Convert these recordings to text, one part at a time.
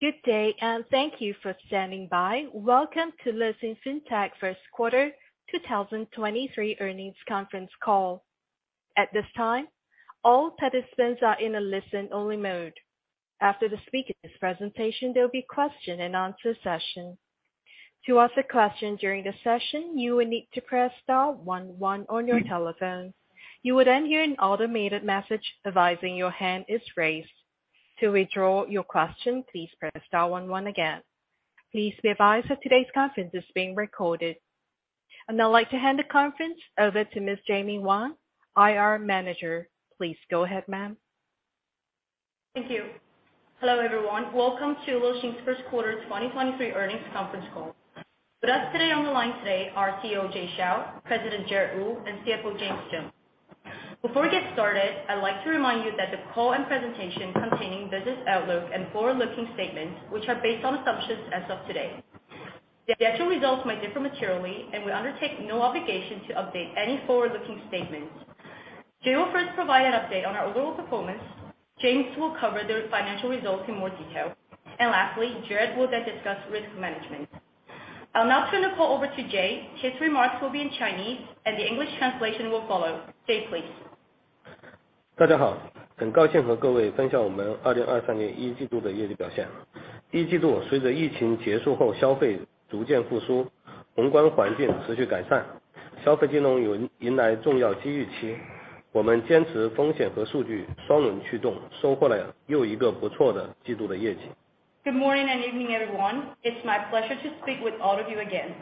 Good day, thank you for standing by. Welcome to LexinFintech First Quarter 2023 Earnings Conference Call. At this time, all participants are in a listen-only mode. After the speaker's presentation, there'll be question-and-answer session. To ask a question during the session, you will need to press star one one on your telephone. You would then hear an automated message advising your hand is raised. To withdraw your question, please press star one one again. Please be advised that today's conference is being recorded. I'd now like to hand the conference over to Miss Jamie Wang, IR Manager. Please go ahead, ma'am. Thank you. Hello, everyone. Welcome to LexinFintech's First Quarter 2023 Earnings Conference Call. With us today on the line today are CEO Jay Xiao, President Jared Wu, and CFO James Zheng. Before we get started, I'd like to remind you that the call and presentation containing business outlook and forward-looking statements, which are based on assumptions as of today. The actual results may differ materially, and we undertake no obligation to update any forward-looking statements. Jay will first provide an update on our overall performance, James will cover the financial results in more detail, and lastly, Jared will then discuss risk management. I'll now turn the call over to Jay. His remarks will be in Chinese, and the English translation will follow. Jay, please. Good morning and evening, everyone. It's my pleasure to speak with all of you again.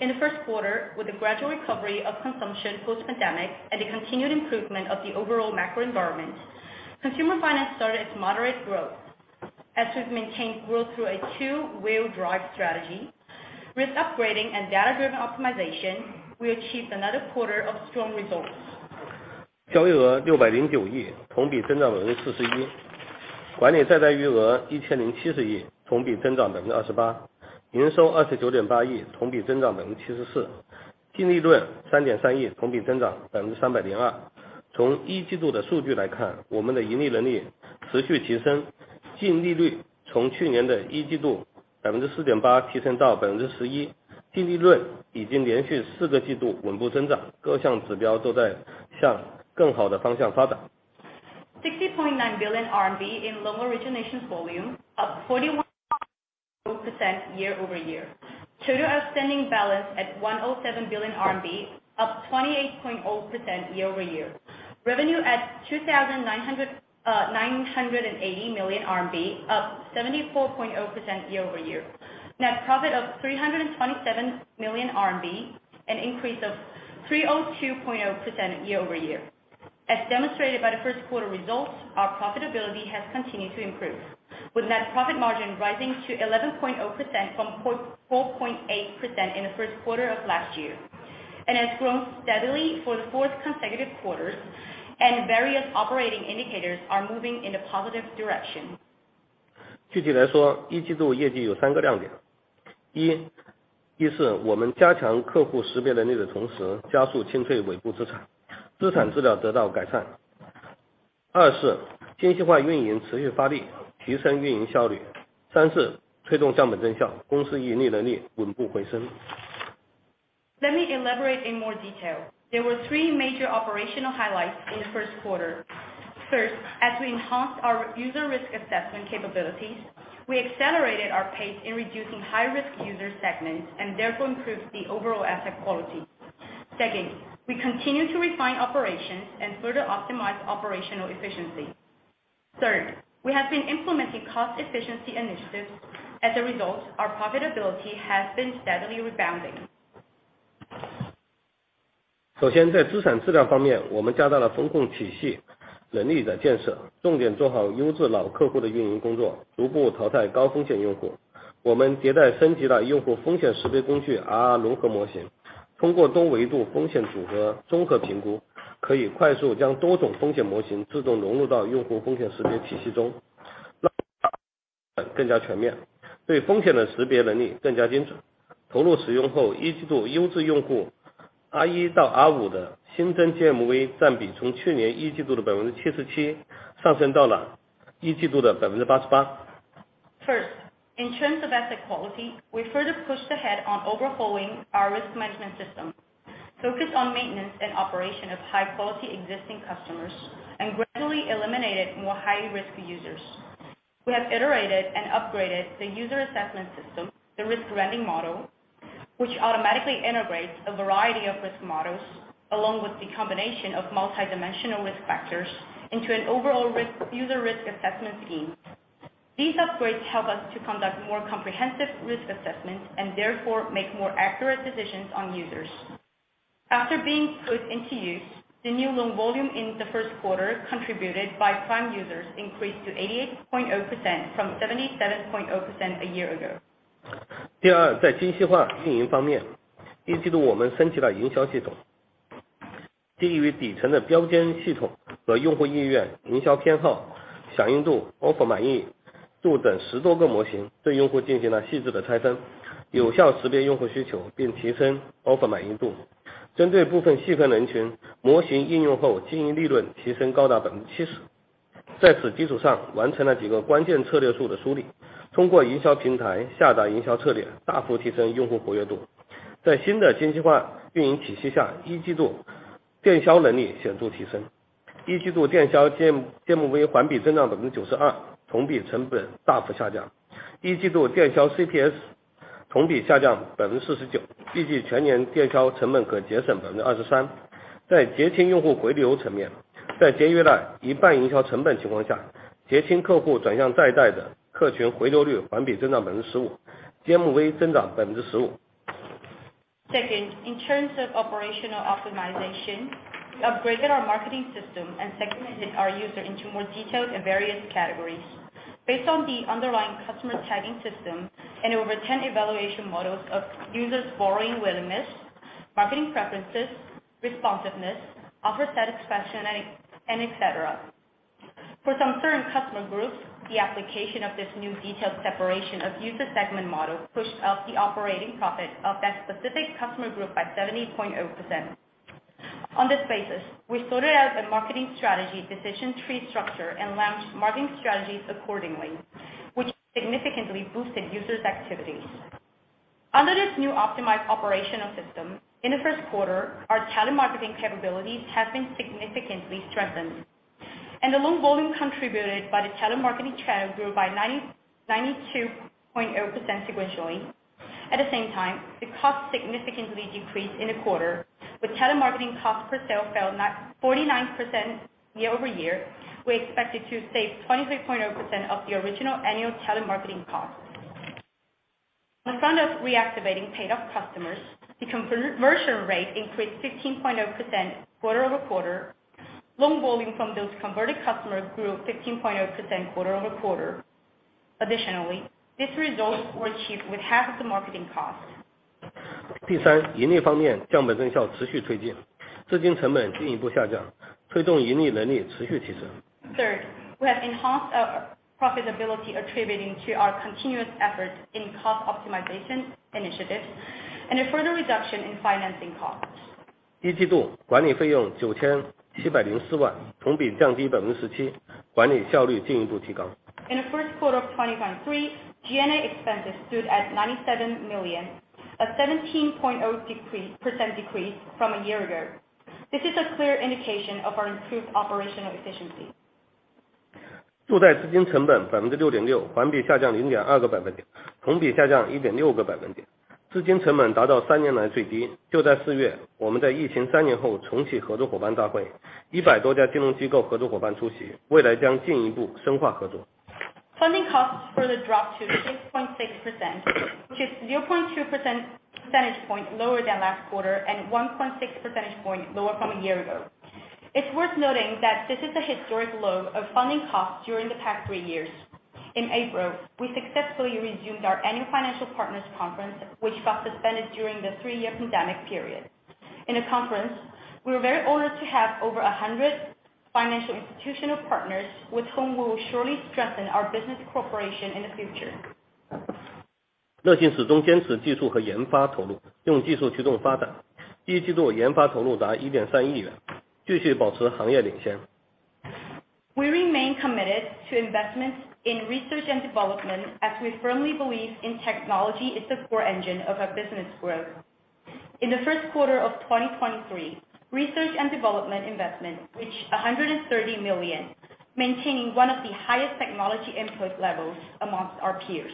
In the first quarter, with the gradual recovery of consumption post-pandemic and the continued improvement of the overall macro environment, consumer finance started its moderate growth. As we've maintained growth through a two-wheel drive strategy, risk upgrading and data-driven optimization, we achieved another quarter of strong results. RMB 60.9 billion in loan origination volume, up 41% year-over-year. Total outstanding balance at 107 billion RMB, up 28.0% year-over-year. Revenue at 2,980 million RMB, up 74.0% year-over-year. Net profit of 327 million RMB, an increase of 302.0% year-over-year. As demonstrated by the first quarter results, our profitability has continued to improve, with net profit margin rising to 11.0% from 4.8% in the first quarter of last year. Has grown steadily for the fourth consecutive quarter, and various operating indicators are moving in a positive direction. Let me elaborate in more detail. There were three major operational highlights in the first quarter. First, as we enhanced our user risk assessment capabilities, we accelerated our pace in reducing high-risk user segments and therefore improved the overall asset quality. Second, we continued to refine operations and further optimize operational efficiency. Third, we have been implementing cost efficiency initiatives. As a result, our profitability has been steadily rebounding. First, in terms of asset quality, we further pushed ahead on overhauling our risk management system, focused on maintenance and operation of high-quality existing customers, and gradually eliminated more high-risk users. We have iterated and upgraded the user assessment system, the risk rendering model, which automatically integrates a variety of risk models along with the combination of multidimensional risk factors into an overall user risk assessment scheme. These upgrades help us to conduct more comprehensive risk assessments and therefore make more accurate decisions on users. After being put into use, the new loan volume in the first quarter contributed by prime users increased to 88.0% from 77.0% a year ago. 针对部分细分人 群， 模型应用后经营利润提升高达 70%。在此基础上完成了几个关键策略的梳理。通过营销平台下达营销策 略， 大幅提升用户活跃度。在新的精细化运营体系 下， 一季度电销能力显著提 升， 一季度电销 GMV 环比增长 92%， 同比成本大幅下 降， 一季度电销 CPS 同比下降 49%， 预计全年电销成本可节省 23%。在结清用户回流层 面， 在节约了一半营销成本情况 下， 结清客户转向在贷的客群回流率环比增长 15%， GMV 增长 15%。In terms of operational optimization, we upgraded our marketing system and segmented our users into more detailed and various categories based on the underlying customer tagging system and over 10 evaluation models of users' borrowing willingness, marketing preferences, responsiveness, offer satisfaction and etc. For some certain customer groups, the application of this new detailed separation of user segment model pushed up the operating profit of that specific customer group by 70.0%. On this basis, we sorted out the marketing strategy decision tree structure and launched marketing strategies accordingly, which significantly boosted users' activities. Under this new optimized operational system, in the first quarter, our telemarketing capabilities have been significantly strengthened, and the loan volume contributed by the telemarketing channel grew by 92.0% sequentially. At the same time, the cost significantly decreased in the quarter, with telemarketing cost per sale fell 49% year-over-year. We expected to save 23.0% of the original annual telemarketing cost. In front of reactivating paid up customers, the conversion rate increased 15.0% quarter-over-quarter. Loan volume from those converted customers grew 15.0% quarter-over-quarter. Additionally, these results were achieved with half of the marketing costs. 第 三， 盈利方 面， 降本增效持续推 进， 资金成本进一步下 降， 推动盈利能力持续提升。Third, we have enhanced our profitability attributing to our continuous efforts in cost optimization initiatives and a further reduction in financing costs. 一季度管理费用九千七百零四 万， 同比降低百分之十 七， 管理效率进一步提高。In the first quarter of 2023, G&A expenses stood at 97 million, a 17.0% decrease from a year ago. This is a clear indication of our improved operational efficiency. 贷款资金成本百分之六点 六， 环比下降零点二个百分 点， 同比下降一点六个百分 点， 资金成本达到三年来最低。就在四 月， 我们在疫情三年后重启合作伙伴大 会， 一百多家金融机构合作伙伴出 席， 未来将进一步深化合作。Funding costs further dropped to 6.6%, which is 0.2 percentage point lower than last quarter and 1.6 percentage point lower from a year ago. It's worth noting that this is a historic low of funding costs during the past three years. In April, we successfully resumed our annual financial partners conference, which got suspended during the three year pandemic period. In the conference, we were very honored to have over 100 financial institutional partners with whom we will surely strengthen our business cooperation in the future. 乐信始终坚持技术和研发投 入， 用技术驱动发展。一季度研发投入达一点三亿 元， 继续保持行业领先。We remain committed to investments in research and development as we firmly believe in technology is the core engine of our business growth. In the first quarter of 2023, research and development investment reached 130 million, maintaining one of the highest technology input levels amongst our peers.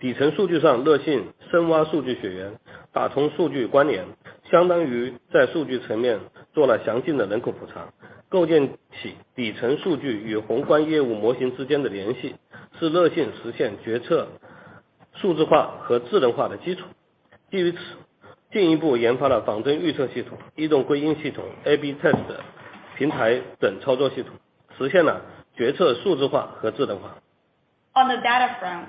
底层数据 上, 乐信深挖数据血 缘, 打通数据关 联, 相当于在数据层面做了详尽的人口补 偿, 构建起底层数据与宏观业务模型之间的联 系, 是乐信实现决策数字化和智能化的基 础. 基于 此, 进一步研发了仿真预测系统、移动归因系统、A/B test 平台等操作系 统, 实现了决策数字化和智能 化. On the data front,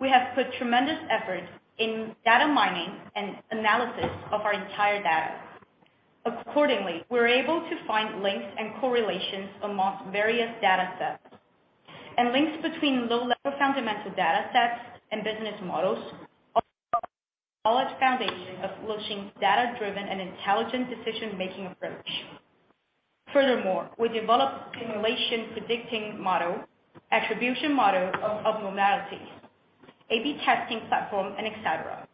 we have put tremendous efforts in data mining and analysis of our entire data. Accordingly, we were able to find links and correlations amongst various data sets. Links between low-level fundamental data sets and business models are the knowledge foundation of launching data-driven and intelligent decision-making approach. Furthermore, we developed simulation predicting model, attribution model of abnormalities, A/B testing platform, and et cetera,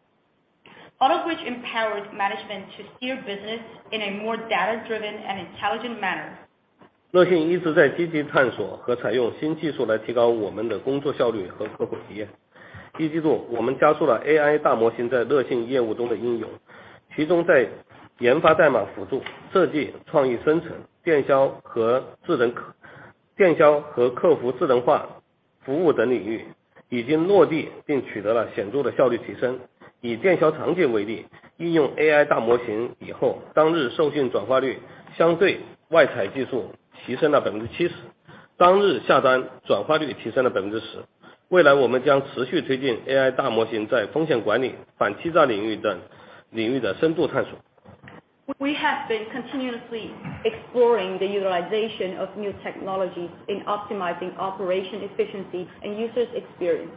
all of which empowers management to steer business in a more data-driven and intelligent manner. 乐信一直在积极探索和采用新技术来提高我们的工作效率和客户体验。一季 度， 我们加速了 AI 大模型在乐信业务中的应 用， 其中在研发代码辅助设计、创意生成、电销和智能客-电销和客服智能化服务等领域已经落 地， 并取得了显著的效率提升。以电销场景为 例， 应用 AI 大模型以 后， 当日授信转化率相对外采技术提升了百分之七 十， 当日下单转化率提升了百分之十。未来我们将持续推进 AI 大模型在风险管理、反欺诈领域等领域的深度探索。We have been continuously exploring the utilization of new technologies in optimizing operation efficiency and users' experience.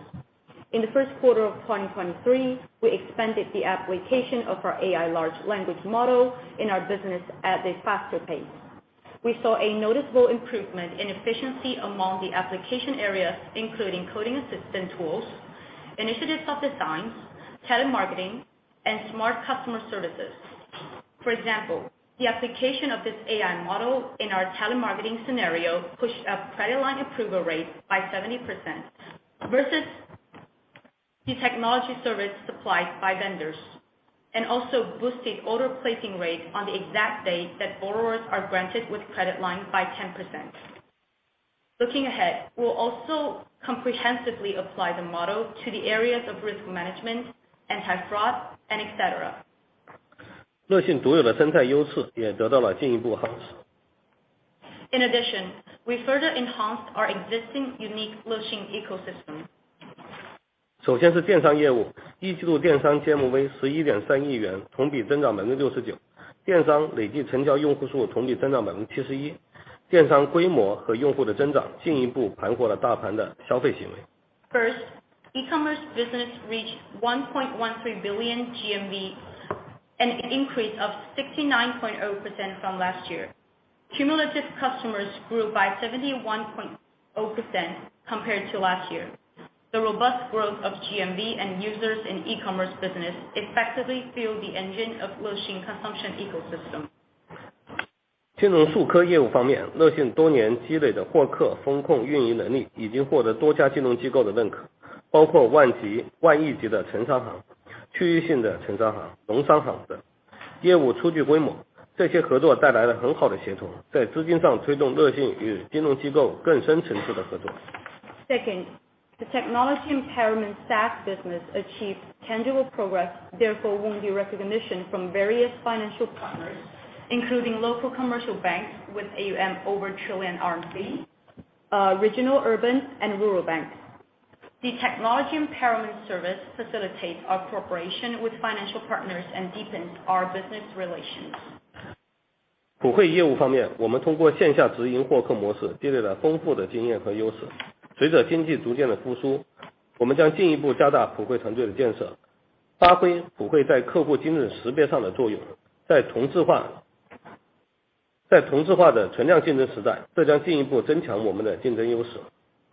In the first quarter of 2023, we expanded the application of our AI large language model in our business at a faster pace. We saw a noticeable improvement in efficiency among the application areas, including coding assistant tools, initiatives of designs, telemarketing, and smart customer services. For example, the application of this AI model in our telemarketing scenario pushed up credit line approval rates by 70% versus the technology service supplied by vendors, and also boosted order placing rates on the exact date that borrowers are granted with credit line by 10%. Looking ahead, we'll also comprehensively apply the model to the areas of risk management, anti-fraud, and et cetera. In addition, we further enhanced our existing unique Lexin ecosystem. First, e-commerce business reached 1.13 billion GMV, an increase of 69.0% from last year. Cumulative customers grew by 71.0% compared to last year. The robust growth of GMV and users in e-commerce business effectively fueled the engine of Lexin consumption ecosystem. Second, the technology empowerment SaaS business achieved tangible progress, therefore won the recognition from various financial partners, including local commercial banks with AUM over 1 trillion RMB, regional urban and rural banks. The technology empowerment service facilitates our cooperation with financial partners and deepens our business relations.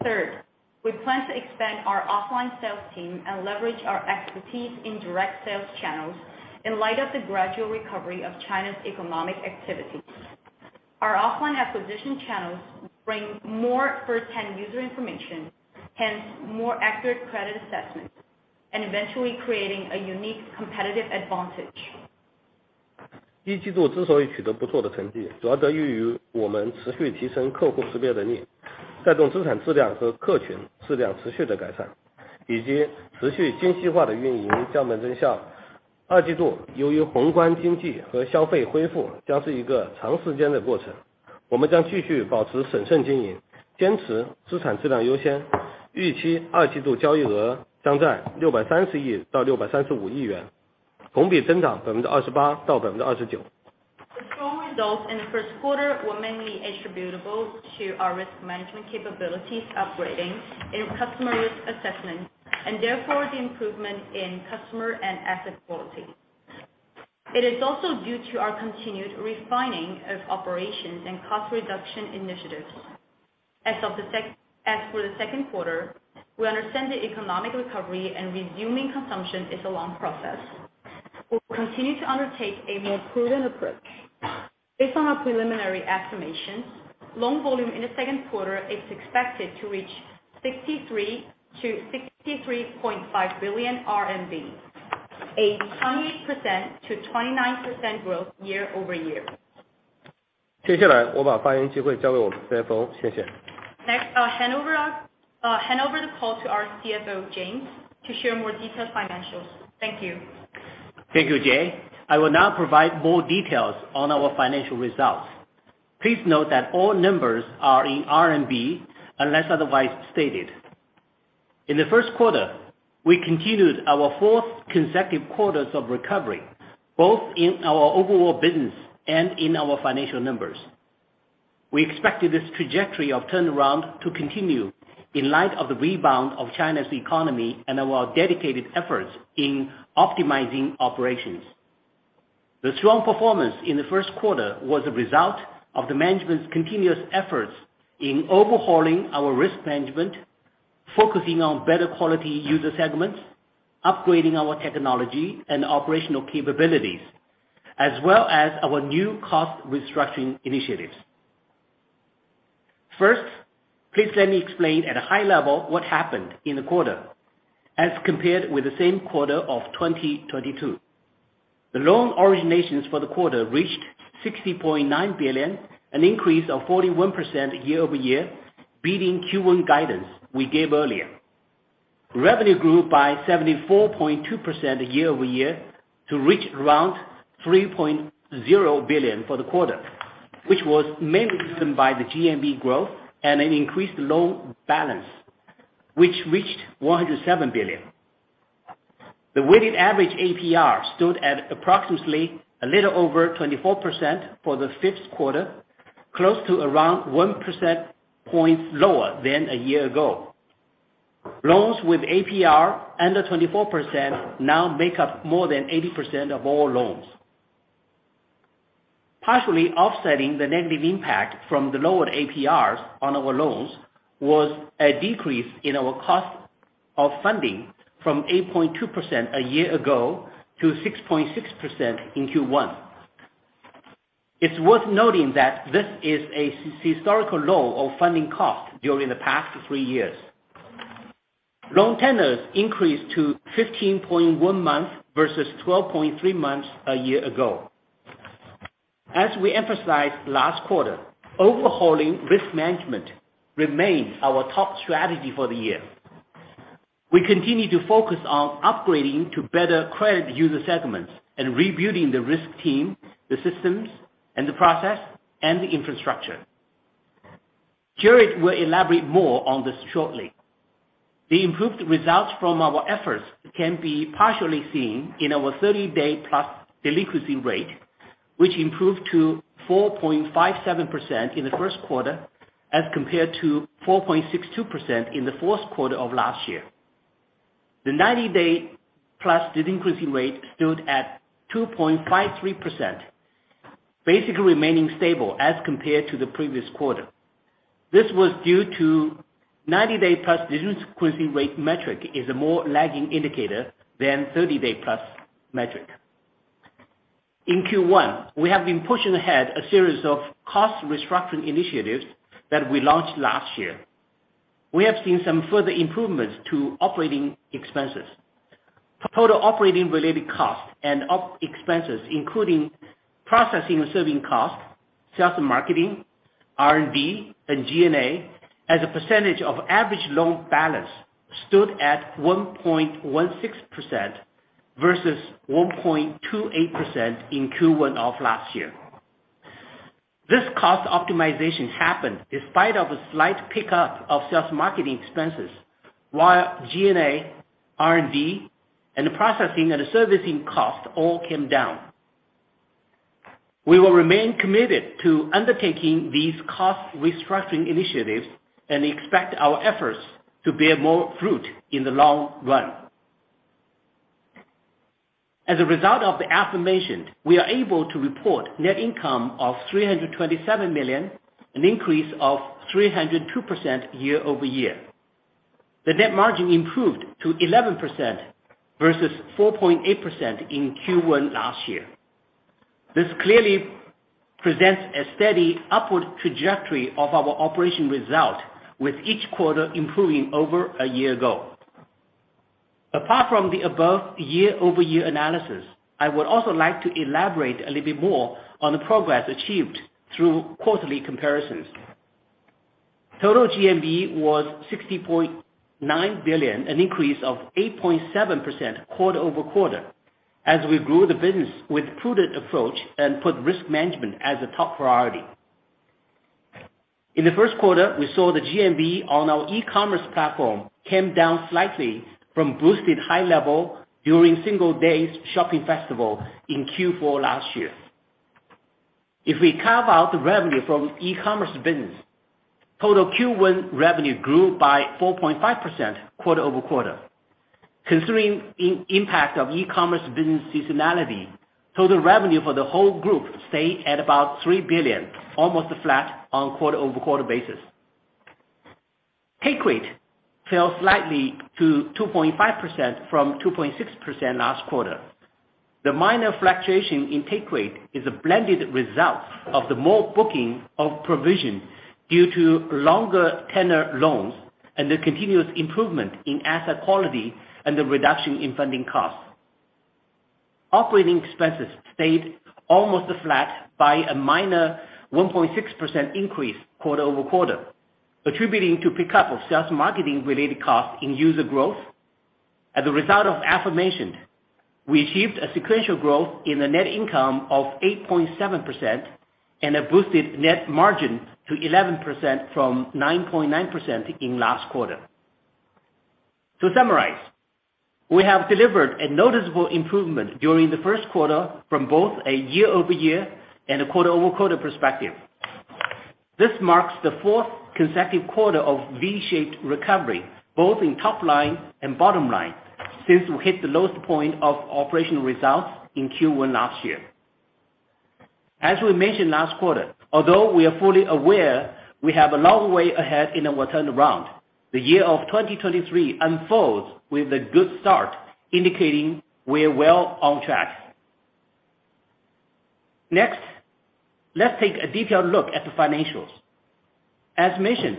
Third, we plan to expand our offline sales team and leverage our expertise in direct sales channels in light of the gradual recovery of China's economic activity. Our offline acquisition channels bring more firsthand user information, hence more accurate credit assessments, and eventually creating a unique competitive advantage. The strong results in the first quarter were mainly attributable to our risk management capabilities upgrading in customer risk assessment, and therefore the improvement in customer and asset quality. It is also due to our continued refining of operations and cost reduction initiatives. As for the second quarter, we understand the economic recovery and resuming consumption is a long process. We'll continue to undertake a more prudent approach. Based on our preliminary estimations, loan volume in the second quarter is expected to reach 63 billion-63.5 billion RMB, a 28%-29% growth year-over-year. Next, I'll hand over the call to our CFO, James, to share more detailed financials. Thank you. Thank you, Jay. I will now provide more details on our financial results. Please note that all numbers are in RMB, unless otherwise stated. In the first quarter, we continued our fourth consecutive quarters of recovery, both in our overall business and in our financial numbers. We expected this trajectory of turnaround to continue in light of the rebound of China's economy and our dedicated efforts in optimizing operations. The strong performance in the first quarter was a result of the management's continuous efforts in overhauling our risk management, focusing on better quality user segments, upgrading our technology and operational capabilities, as well as our new cost restructuring initiatives. Please let me explain at a high level what happened in the quarter as compared with the same quarter of 2022. The loan originations for the quarter reached 60.9 billion, an increase of 41% year-over-year, beating Q1 guidance we gave earlier. Revenue grew by 74.2% year-over-year to reach around 3.0 billion for the quarter, which was mainly driven by the GMV growth and an increased loan balance, which reached 107 billion. The weighted average APR stood at approximately a little over 24% for the fifth quarter, close to around 1 percentage point lower than a year ago. Loans with APR under 24% now make up more than 80% of all loans. Partially offsetting the negative impact from the lower APRs on our loans was a decrease in our cost of funding from 8.2% a year ago to 6.6% in Q1. It's worth noting that this is a historical low of funding cost during the past three years. Loan tenders increased to 15.1 months versus 12.3 months a year ago. As we emphasized last quarter, overhauling risk management remains our top strategy for the year. We continue to focus on upgrading to better credit user segments and rebuilding the risk team, the systems and the process, and the infrastructure. Jared will elaborate more on this shortly. The improved results from our efforts can be partially seen in our 30-day-plus delinquency rate, which improved to 4.57% in the first quarter, as compared to 4.62% in the fourth quarter of last year. The 90-day-plus delinquency rate stood at 2.53%, basically remaining stable as compared to the previous quarter. This was due to 90-day-plus delinquency rate metric is a more lagging indicator than 30-day-plus metric. In Q1, we have been pushing ahead a series of cost restructuring initiatives that we launched last year. We have seen some further improvements to operating expenses. Total operating-related costs and op expenses, including processing and serving costs, sales and marketing, R&D, and G&A as a percentage of average loan balance stood at 1.16% versus 1.28% in Q1 of last year. This cost optimization happened in spite of a slight pickup of sales marketing expenses while G&A, R&D, and the processing and the servicing costs all came down. We will remain committed to undertaking these cost restructuring initiatives and expect our efforts to bear more fruit in the long run. As a result of the aforementioned, we are able to report net income of 327 million, an increase of 302% year-over-year. The net margin improved to 11% versus 4.8% in Q1 last year. This clearly presents a steady upward trajectory of our operation result, with each quarter improving over a year ago. Apart from the above year-over-year analysis, I would also like to elaborate a little bit more on the progress achieved through quarterly comparisons. Total GMV was 60.9 billion, an increase of 8.7% quarter-over-quarter, as we grew the business with prudent approach and put risk management as a top priority. In the first quarter, we saw the GMV on our e-commerce platform came down slightly from boosted high level during Singles' Day shopping festival in Q4 last year. If we carve out the revenue from e-commerce business, total Q1 revenue grew by 4.5% quarter-over-quarter. Considering impact of e-commerce business seasonality, total revenue for the whole group stayed at about 3 billion, almost flat on quarter-over-quarter basis. Take rate fell slightly to 2.5% from 2.6% last quarter. The minor fluctuation in take rate is a blended result of the more booking of provision due to longer tenor loans and the continuous improvement in asset quality and the reduction in funding costs. Operating expenses stayed almost flat by a minor 1.6% increase quarter-over-quarter, attributing to pickup of sales marketing related costs in user growth. As a result of aforementioned, we achieved a sequential growth in the net income of 8.7% and a boosted net margin to 11% from 9.9% in last quarter. To summarize, we have delivered a noticeable improvement during the first quarter from both a year-over-year and a quarter-over-quarter perspective. This marks the fourth consecutive quarter of V-shaped recovery, both in top line and bottom line, since we hit the lowest point of operational results in Q1 last year. As we mentioned last quarter, although we are fully aware we have a long way ahead in our turnaround, the year of 2023 unfolds with a good start, indicating we're well on track. Next, let's take a detailed look at the financials. As mentioned,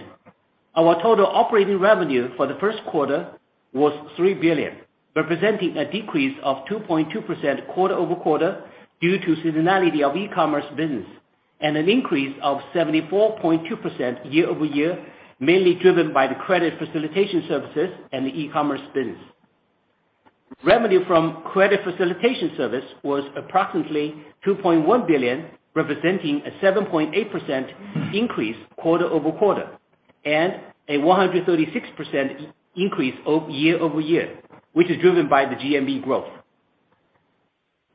our total operating revenue for the first quarter was 3 billion, representing a decrease of 2.2% quarter-over-quarter due to seasonality of e-commerce business and an increase of 74.2% year-over-year, mainly driven by the credit facilitation services and the e-commerce business. Revenue from credit facilitation service was approximately 2.1 billion, representing a 7.8% increase quarter-over-quarter. A 136% increase year-over-year, which is driven by the GMV growth.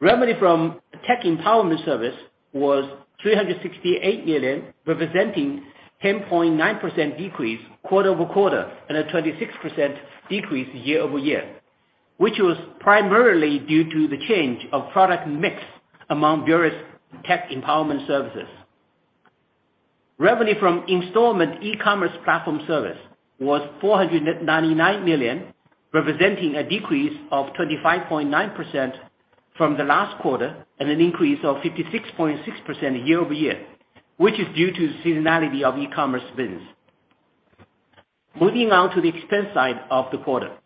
Revenue from tech empowerment service was 368 million, representing 10.9% decrease quarter-over-quarter, and a 26% decrease year-over-year, which was primarily due to the change of product mix among various tech empowerment services. Revenue from installment e-commerce platform service was 499 million, representing a decrease of 25.9% from the last quarter and an increase of 56.6% year-over-year, which is due to seasonality of e-commerce business. Moving on to the expense side of the quarter.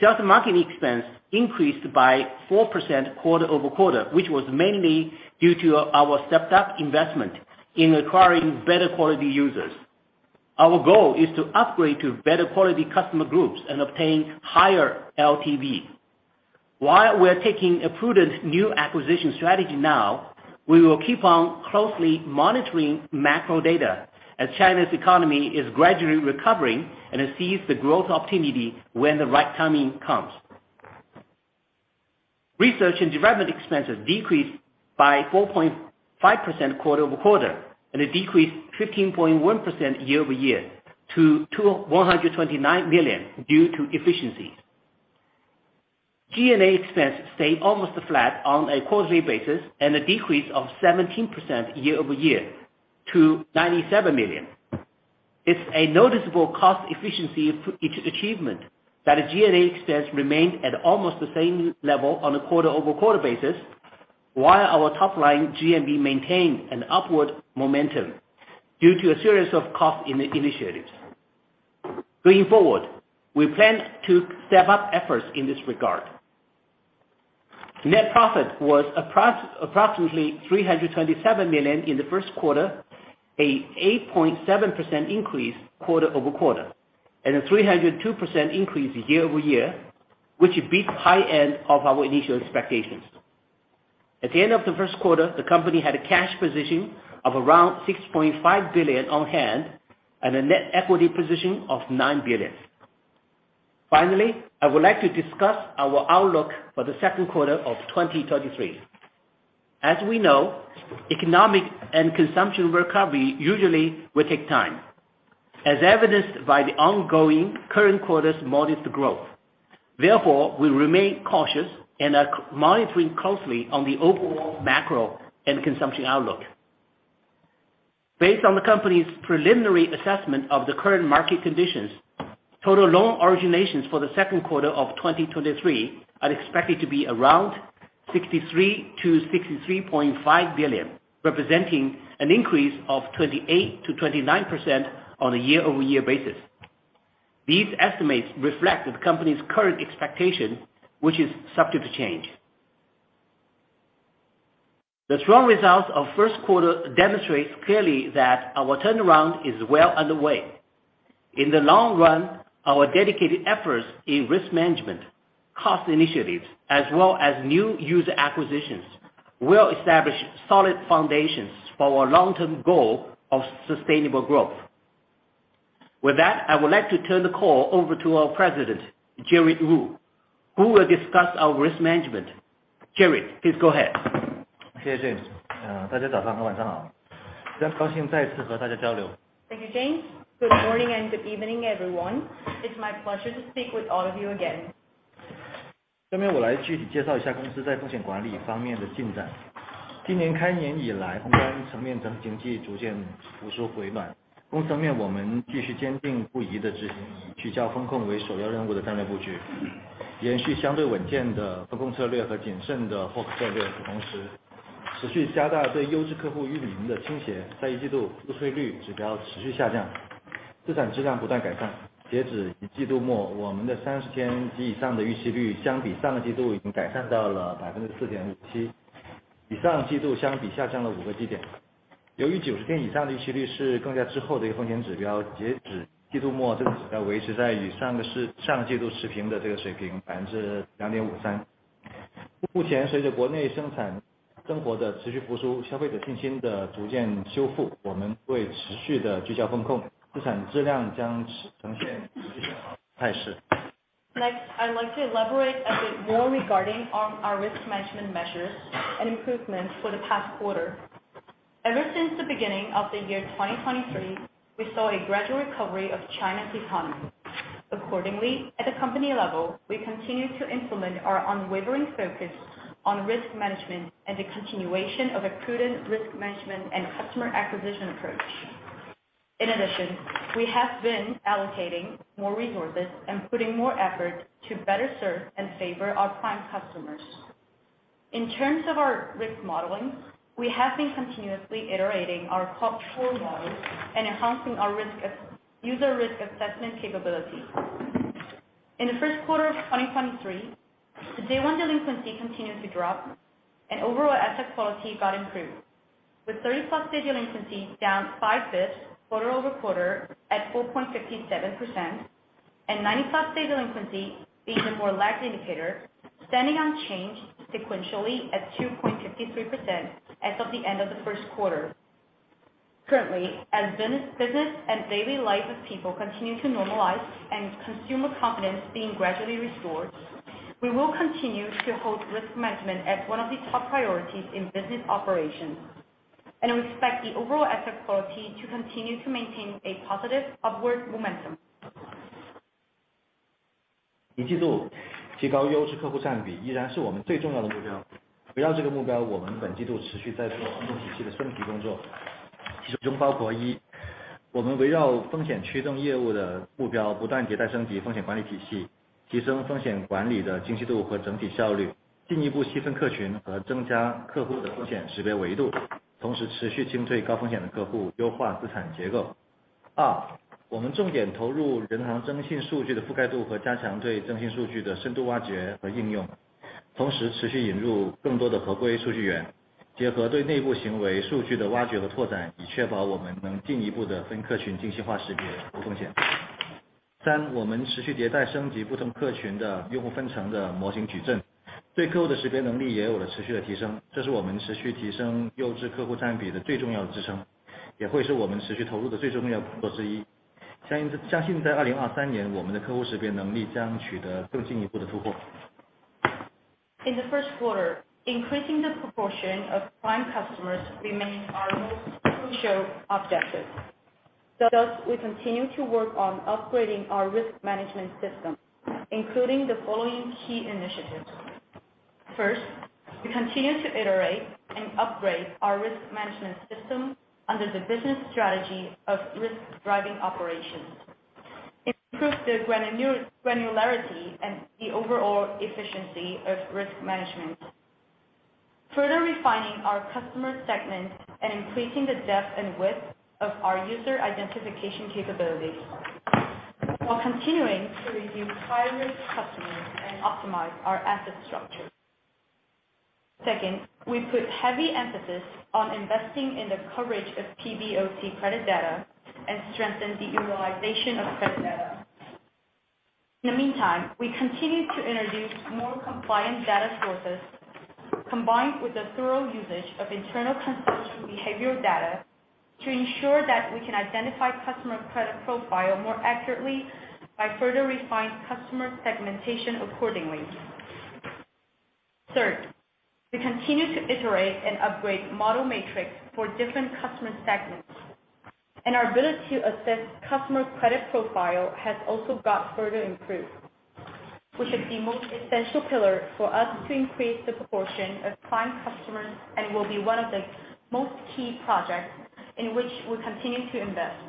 Sales and marketing expense increased by 4% quarter-over-quarter, which was mainly due to our stepped up investment in acquiring better quality users. Our goal is to upgrade to better quality customer groups and obtain higher LTV. While we're taking a prudent new acquisition strategy now, we will keep on closely monitoring macro data as China's economy is gradually recovering and then seize the growth opportunity when the right timing comes. Research and development expenses decreased by 4.5% quarter-over-quarter, and it decreased 15.1% year-over-year to 129 million due to efficiency. G&A expenses stayed almost flat on a quarterly basis, and a decrease of 17% year-over-year to 97 million. It's a noticeable cost efficiency achievement that a G&A expense remained at almost the same level on a quarter-over-quarter basis, while our top line GMV maintained an upward momentum due to a series of cost initiatives. Going forward, we plan to step up efforts in this regard. Net profit was approximately 327 million in the first quarter, a 8.7% increase quarter-over-quarter, and a 302% increase year-over-year, which beats high end of our initial expectations. At the end of the first quarter, the company had a cash position of around 6.5 billion on hand and a net equity position of 9 billion. Finally, I would like to discuss our outlook for the second quarter of 2023. As we know, economic and consumption recovery usually will take time, as evidenced by the ongoing current quarter's modest growth. Therefore, we remain cautious and are monitoring closely on the overall macro and consumption outlook. Based on the company's preliminary assessment of the current market conditions, total loan originations for the second quarter of 2023 are expected to be around 63 billion-63.5 billion, representing an increase of 28%-29% on a year-over-year basis. These estimates reflect the company's current expectation, which is subject to change. The strong results of first quarter demonstrates clearly that our turnaround is well underway. In the long run, our dedicated efforts in risk management, cost initiatives, as well as new user acquisitions, will establish solid foundations for our long-term goal of sustainable growth. With that, I would like to turn the call over to our President, Jared Wu, who will discuss our risk management. Jared, please go ahead. Thank you, James. Thank you, James. Good morning and good evening, everyone. It's my pleasure to speak with all of you again. Next, I'd like to elaborate a bit more regarding our risk management measures and improvements for the past quarter. Ever since the beginning of the year 2023, we saw a gradual recovery of China's economy. Accordingly, at the company level, we continued to implement our unwavering focus on risk management and the continuation of a prudent risk management and customer acquisition approach. In addition, we have been allocating more resources and putting more effort to better serve and favor our prime customers. In terms of our risk modeling, we have been continuously iterating our top four models and enhancing our risk assessment capabilities. In the first quarter of 2023, the day one delinquency continued to drop and overall asset quality got improved, with 30-day-plus delinquency down 5 basis points quarter-over-quarter at 4.57%. 90-day-plus delinquency, even more lag indicator standing unchanged sequentially at 2.53% as of the end of the first quarter. Currently, as business and daily life of people continue to normalize and consumer confidence being gradually restored, we will continue to hold risk management as one of the top priorities in business operations, and we expect the overall asset quality to continue to maintain a positive upward momentum. In the first quarter, increasing the proportion of prime customers remains our most crucial objective. Thus, we continue to work on upgrading our risk management system, including the following key initiatives. First, we continue to iterate and upgrade our risk management system under the business strategy of risk driving operations. Improve the granularity and the overall efficiency of risk management. Further refining our customer segments, and increasing the depth and width of our user identification capabilities, while continuing to review high-risk customers and optimize our asset structure. Second, we put heavy emphasis on investing in the coverage of PBOC credit data and strengthen the utilization of credit data. In the meantime, we continue to introduce more compliant data sources, combined with the thorough usage of internal consumption behavioral data to ensure that we can identify customer credit profile more accurately by further refine customer segmentation accordingly. Third, we continue to iterate and upgrade model matrix for different customer segments, and our ability to assess customer's credit profile has also got further improved, which is the most essential pillar for us to increase the proportion of prime customers and will be one of the most key projects in which we continue to invest.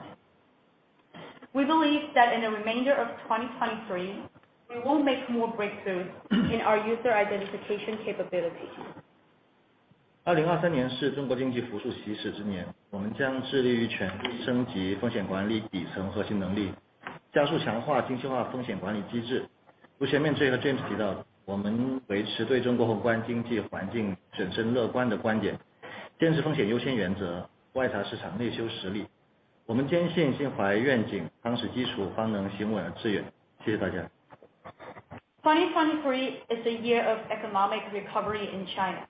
We believe that in the remainder of 2023, we will make more breakthroughs in our user identification capability. 2023 is the year of economic recovery in China.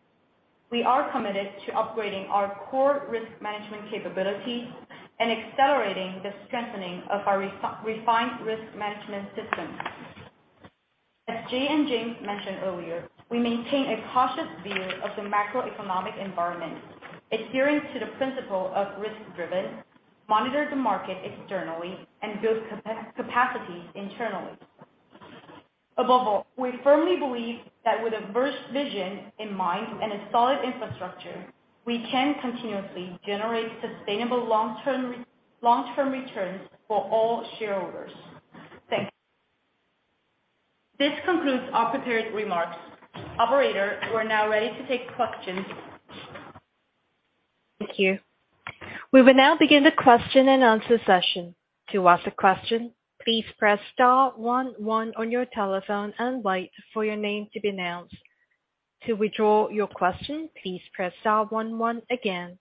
We are committed to upgrading our core risk management capabilities and accelerating the strengthening of our refined risk management system. As Jay and James mentioned earlier, we maintain a cautious view of the macroeconomic environment, adhering to the principle of risk driven, monitor the market externally and build capacities internally. Above all, we firmly believe that with a burst vision in mind and a solid infrastructure, we can continuously generate sustainable long-term returns for all shareholders. Thank you. This concludes our prepared remarks. Operator, we're now ready to take questions. Thank you. We will now begin the question-and-answer session. To ask a question, please press star one one on your telephone and wait for your name to be announced. To withdraw your question, please press star one one again.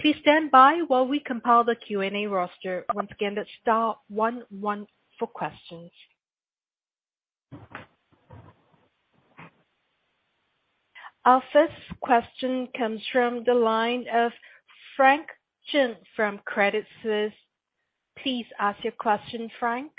Please stand by while we compile the Q&A roster. Once again, that's star 11 for questions. Our first question comes from the line of Frank Zheng from Credit Suisse. Please ask your question, Frank.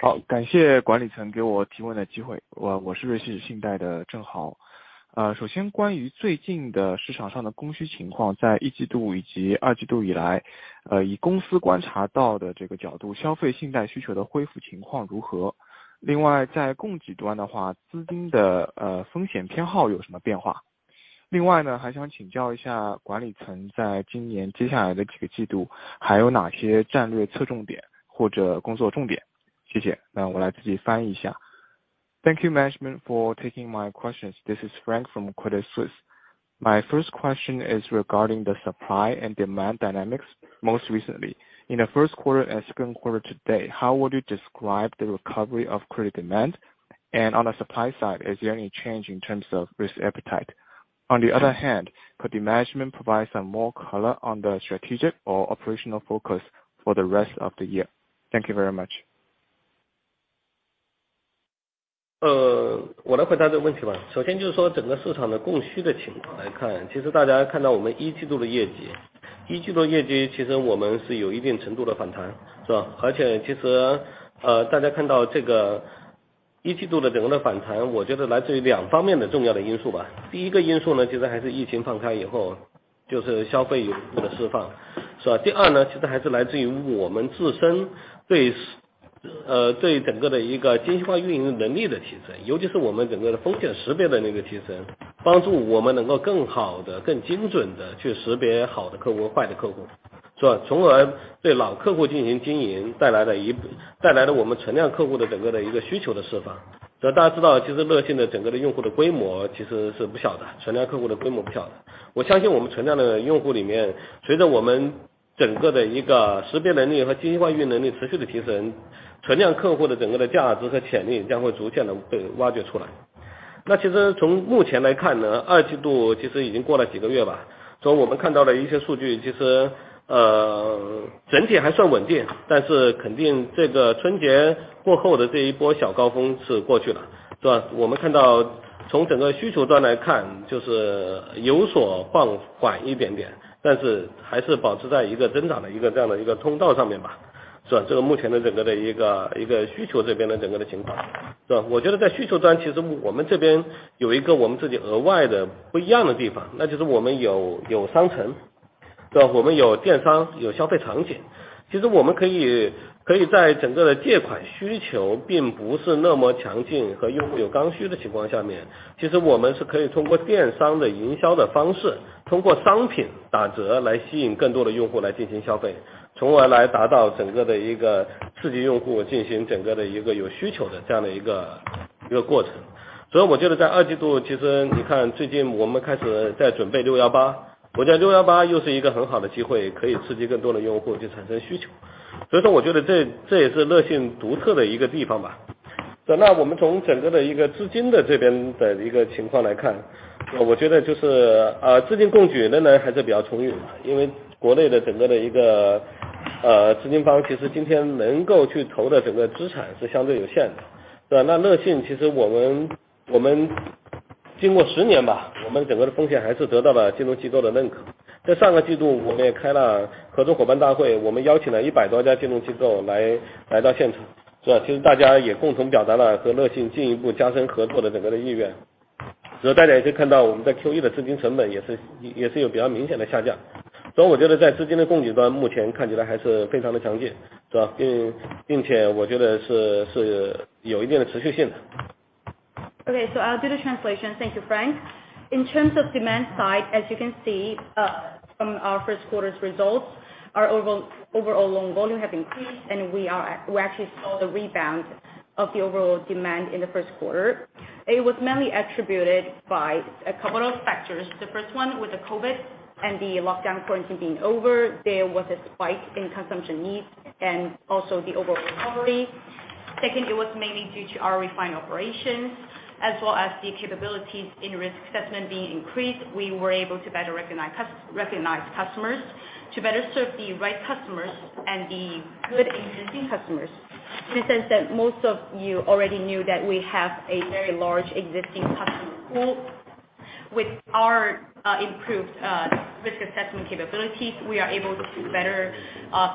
Thank you, management, for taking my questions. This is Frank from Credit Suisse. My first question is regarding the supply and demand dynamics. Most recently, in the first quarter and second quarter-to-date, how would you describe the recovery of credit demand? On the supply side, is there any change in terms of risk appetite? On the other hand, could the management provide some more color on the strategic or operational focus for the rest of the year? Thank you very much. 我来回答这个问题吧。整个市场的供需的情况来 看， 大家看到我们第一季度的业 绩， 第一季度的业绩我们是有一定程度的反 弹， 是吧。大家看到这个第一季度的整个的反 弹， 我觉得来自于两方面的重要的因素吧。第一个因素疫情放开以 后， 消费有这个释放，是吧。第二来自于我们自身对整个的一个精细化运营能力的提 升， 尤其是我们整个的风险识别的那个提 升， 帮助我们能够更好地更精准地去识别好的客户、坏的客 户， 是吧。从而对老客户进行经 营， 带来的我们存量客户的整个的一个需求的释放。大家知 道， Lexin 的整个的用户的规模是不小 的， 存量客户的规模不小的。我相信我们存量的用户里 面， 随着我们整个的一个识别能力和精细化运营能力持续的提 升， 存量客户的整个的价值和潜力将会逐渐地被挖掘出来。从目前来 看， 第二季度已经过了几个月 吧， 从我们看到的一些数 据， 整体还算稳 定， 但是肯定这个春节过后的这一波小高峰是过去 了， 是吧。我们看到从整个需求端来 看， 有所放缓一点 点， 但是还是保持在一个增长的一个这样的一个通道上面 吧， 是吧。这个目前的整个的一个需求这边的整个的情 况， 是吧。我觉得在需求 端， 我们这边有一个我们自己额外的不一样的地 方， 我们有商 城， 是 吧， 我们有电 商， 有消费场 景， 我们可以在整个的借款需求并不是那么强劲和用户有刚需的情况下 面， 我们是可以通过电商的营销的方 式， 通过商品打折来吸引更多的用户来进行消 费， 从而来达到整个的一个刺激用户进行整个的一个有需求的这样的一个过程。我觉得在第二季 度， 你看最近我们开始在准备 618， 我觉得618又是一个很好的机 会， 可以刺激更多的用户去产生需求。我觉得这也是 Lexin 独特的一个地方吧。我们从整个的一个资金的这边的一个情况来 看， 我觉得资金供给仍然还是比较充裕 的， 因为国内的整个的一个资金 方， 今天能够去投的整个资产是相对有限 的， 是吧。Lexin 经过10年 吧， 我们整个的风险还是得到了金融机构的认可。在上个季度我们也开了合作伙伴大 会， 我们邀请了 100+ 家金融机构来到现 场， 是吧。大家也共同表达了和 Lexin 进一步加深合作的整个的意愿。大家也可以看 到， 我们在 Q1 的资金成本也是有比较明显的下降。我觉得在资金的供给 端， 目前看起来还是非常的强 劲， 是 吧， 并且我觉得是有一定的持续性的。Okay. I'll do the translation. Thank you, Frank. In terms of demand side, as you can see, from our first quarter's results, our overall loan volume have increased and we actually saw the rebound of the overall demand in the first quarter. It was mainly attributed by a couple of factors. The first one was the COVID and the lockdown quarantine being over, there was a spike in consumption needs and also the overall recovery. Second, it was mainly due to our refined operations as well as the capabilities in risk assessment being increased. We were able to better recognize customers to better serve the right customers and the good existing customers. We sense that most of you already knew that we have a very large existing customer pool with our improved risk assessment capabilities, we are able to better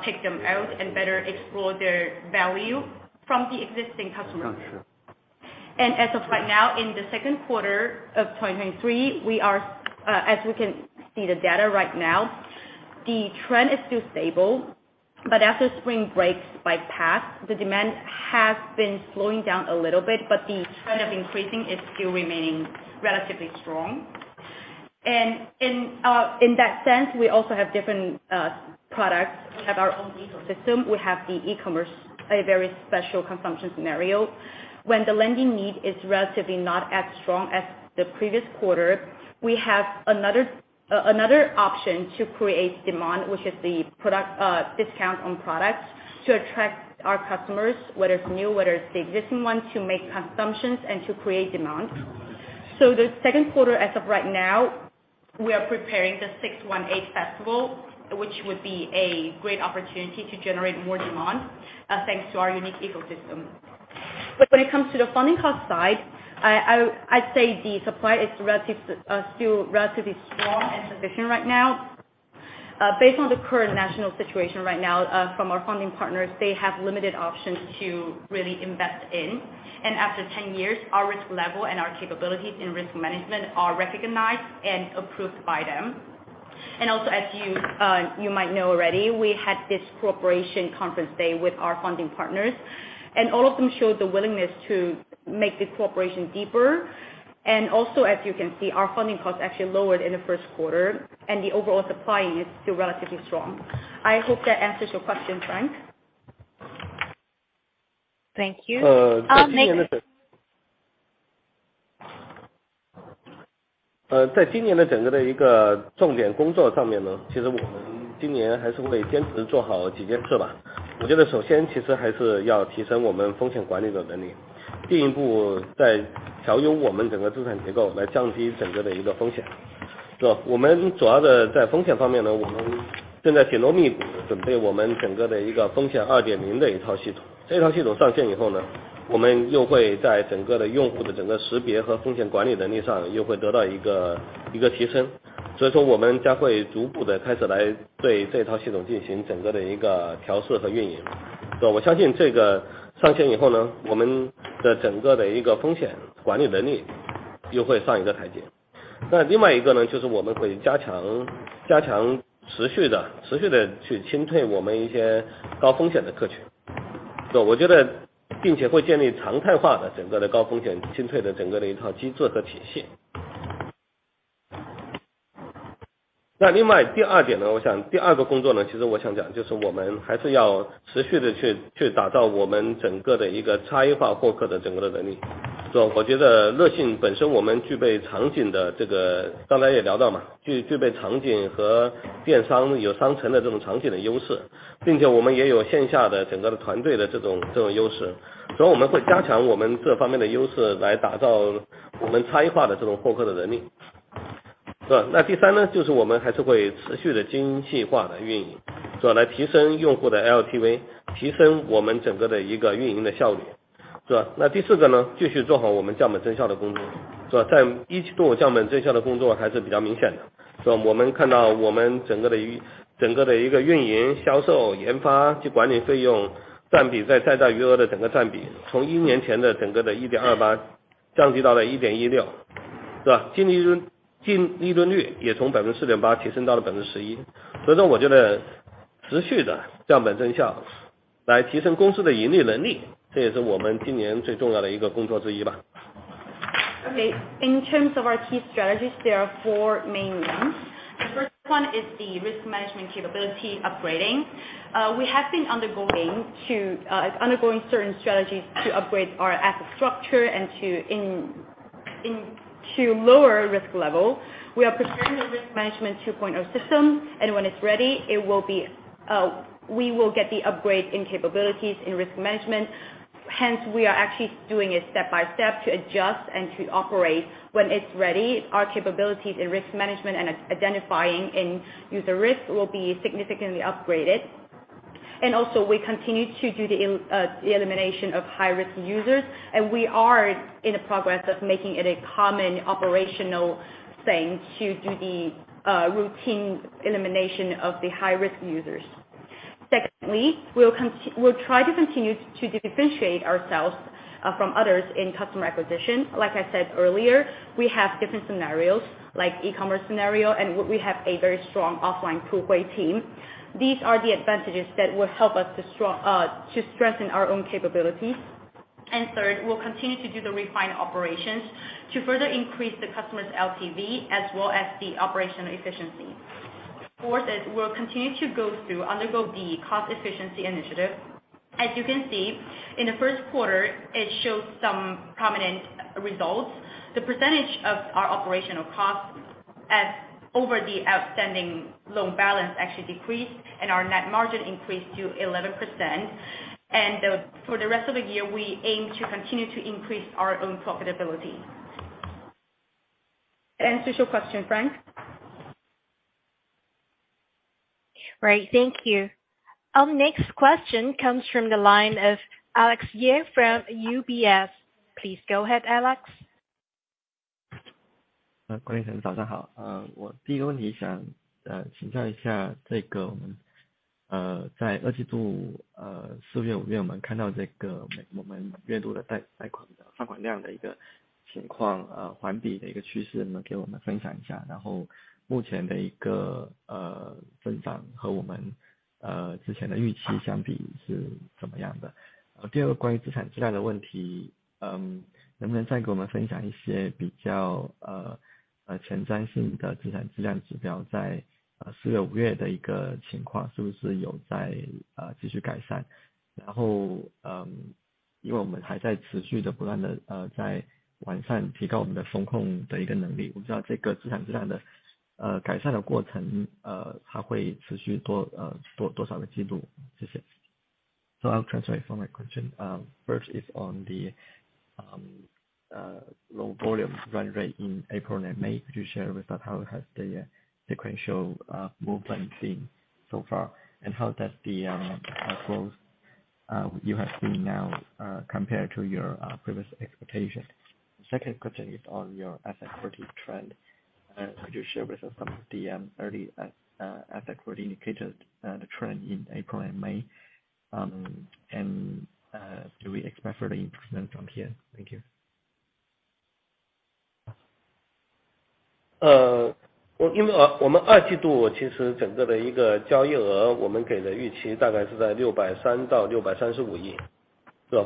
pick them out and better explore their value from the existing customers. As of right now, in the second quarter of 2023, we are as we can see the data right now, the trend is still stable. After spring breaks by past, the demand has been slowing down a little bit, but the trend of increasing is still remaining relatively strong. In that sense, we also have different products. We have our own ecosystem. We have the e-commerce, a very special consumption scenario. When the lending need is relatively not as strong as the previous quarter, we have another option to create demand, which is the product, discount on products to attract our customers. Whether it's new, whether it's the existing one, to make consumptions and to create demand. The second quarter as of right now, we are preparing the 618 Shopping Festival, which would be a great opportunity to generate more demand, thanks to our unique ecosystem. When it comes to the funding cost side, I'd say the supply is still relatively strong in position right now. Based on the current national situation right now, from our funding partners, they have limited options to really invest in. After 10 years, our risk level and our capabilities in risk management are recognized and approved by them. As you might know already, we had this cooperation conference day with our funding partners, and all of them showed the willingness to make the cooperation deeper. As you can see, our funding costs actually lowered in the first quarter and the overall supply is still relatively strong. I hope that answers your question, Frank. Thank you. I'll take- 在今年的整个的一个重点工作上面 呢， 其实我们今年还是会坚持做好几件事吧。我觉得首先其实还是要提升我们风险管理的能 力， 进一步在调优我们整个资产结 构， 来降低整个的一个风险。是 吧， 我们主要的在风险方面 呢， 我们正在紧锣密鼓准备我们整个的一个 risk management 2.0 的一套系统。这套系统上线以后 呢， 我们又会在整个的用户的整个识别和风险管理能力上又会得到一个提升。我们将会逐步地开始来对这套系统进行整个的一个调适和运营。我相信这个上线以后 呢， 我们的整个的一个风险管理能力又会上一个台阶。另外一个 呢， 就是我们会加强持续地去清退我们一些高风险的客群。我觉得并且会建立常态化的整个的高风险清退的整个的一套机制和体系。另外第二点 呢， 我想第二个工作 呢， 其实我想讲就是我们还是要持续地去打造我们整个的一个差异化获客的整个的能力。是 吧， 我觉得 Lexin 本身我们具备场景的这个刚才也聊到 嘛， 具备场景和电商有商城的这种场景的优 势， 并且我们也有线下的整个的团队的这种优 势， 我们会加强我们这方面的优势来打造我们差异化的这种获客的能力。是 吧， 第三 呢， 就是我们还是会持续地精细化地运 营， 是 吧， 来提升用户的 LTV， 提升我们整个的一个运营的效 率， 是吧。第四个 呢， 继续做好我们降本增效的工 作， 是吧。在一季度降本增效的工作还是比较明显 的， 是吧。我们看到我们整个的一个运营、销售、研发及管理费用占比在贷贷余额的整个占 比， 从一年前的整个的 1.28% 降低到了 1.16%， 是吧。净利润率也从 4.8% 提升到了 11%。我觉得持续的降本增效来提升公司的盈利能 力， 这也是我们今年最重要的一个工作之一吧。Okay. In terms of our key strategies, there are four main ones. The first one is the risk management capability upgrading. We have been undergoing certain strategies to upgrade our asset structure and to lower risk level. We are preparing the risk management 2.0 system and when it's ready, we will get the upgrade in capabilities in risk management. We are actually doing it step by step to adjust and to operate. When it's ready, our capabilities in risk management and identifying in user risk will be significantly upgraded. We continue to do the elimination of high risk users and we are in a progress of making it a common operational thing to do the routine elimination of the high risk users. Secondly, we'll try to continue to differentiate ourselves from others in customer acquisition. Like I said earlier, we have different scenarios like e-commerce scenario and we have a very strong offline Puhui team. These are the advantages that will help us to strengthen our own capabilities. Third, we'll continue to do the refined operations to further increase the customers LTV as well as the operational efficiency. Fourth is we'll continue to undergo the cost efficiency initiative. As you can see, in the first quarter, it shows some prominent results. The percentage of our operational costs as over the outstanding loan balance actually decreased and our net margin increased to 11%. For the rest of the year, we aim to continue to increase our own profitability. Answers your question, Frank? Right. Thank you. Next question comes from the line of Alex Ye from UBS. Please go ahead, Alex. I'll translate for my question. First is on the loan volume run rate in April and May. Could you share with us how has the sequential movement been so far? How does the growth you have seen now compared to your previous expectation? Second question is on your asset quality trend. Could you share with us some of the early asset quality indicators the trend in April and May? Do we expect further improvement from here? Thank you. 因为我们 2Q 其实整个的一个交易 额, 我们给的预期大概是在 RMB 63 billion-RMB 63.5 billion.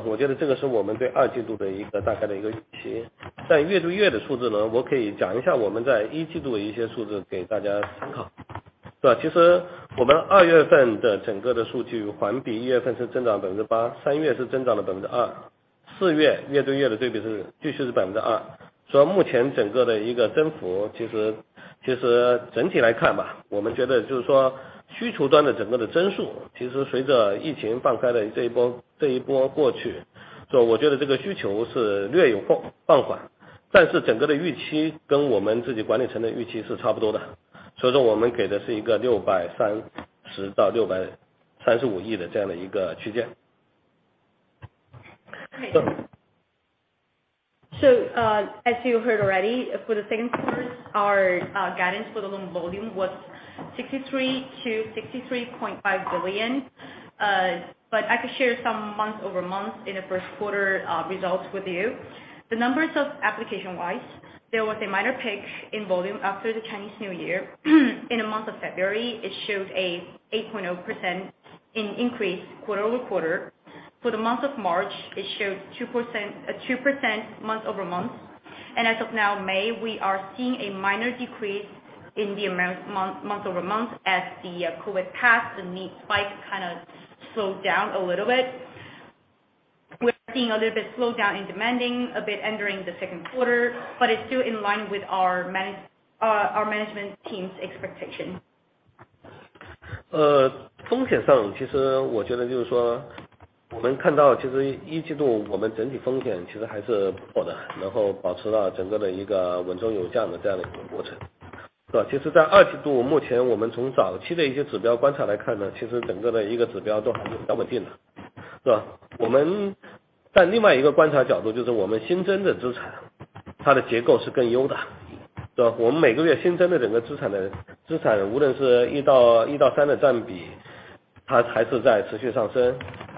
我觉得这个是我们对 2Q 的一个大概的一个 预期. month-over-month 的数字 呢, 我可以讲一下我们在 1Q 的一些数字给大家 参考. 其实我们 February 的整个的数据环比 January 是增长了 8%, March 是增长了 2%. As you heard already, for the second quarter, our guidance for the loan volume was 63 billion-63.5 billion. I could share some month-over-month in the first quarter results with you. The numbers of application wise, there was a minor peak in volume after the Chinese New Year. In the month of February, it showed a 8.0% increase quarter-over-quarter. For the month of March, it showed 2% month-over-month. As of now, May, we are seeing a minor decrease in the amount month-over-month as the COVID passed, the need spike kinda slowed down a little bit. We're seeing a little bit slowdown in demanding, a bit entering the second quarter, it's still in line with our management team's expectation.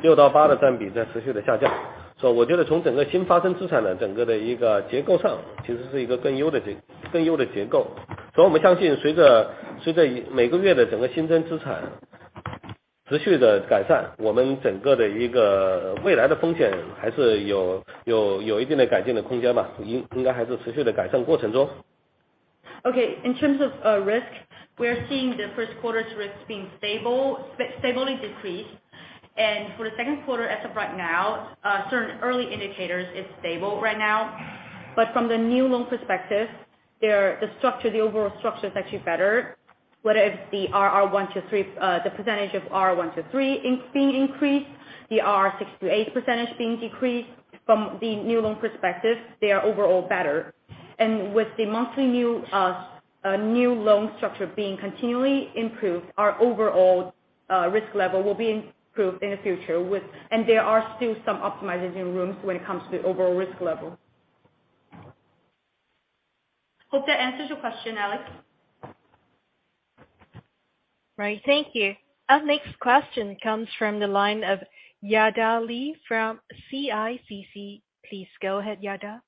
Okay. In terms of risk, we are seeing the first quarter's risk being stably decreased. For the second quarter, as of right now, certain early indicators is stable right now. From the new loan perspective, their, the structure, the overall structure is actually better. Whether it's the R1-R3, the percentage of R1-R3 being increased, the R6-R8 percentage being decreased from the new loan perspective, they are overall better. With the monthly new loan structure being continually improved, our overall risk level will be improved in the future with... There are still some optimizing rooms when it comes to the overall risk level. Hope that answers your question, Alex. Right. Thank you. Our next question comes from the line of Yada Li from CICC. Please go ahead, Yada.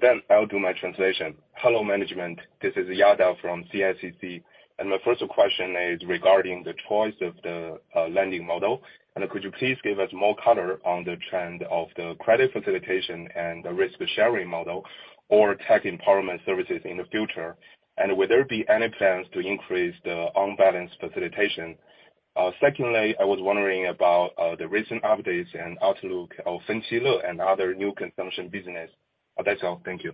Then I'll do my translation. Hello, management. This is Yada from CICC. My first question is regarding the choice of the lending model. Could you please give us more color on the trend of the credit facilitation and the risk sharing model or tech empowerment services in the future? Will there be any plans to increase the on-balance facilitation? Secondly, I was wondering about the recent updates and outlook of Fenqile and other new consumption business. That's all. Thank you.